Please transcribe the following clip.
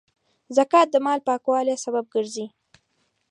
زکات د مال پاکوالي سبب ګرځي.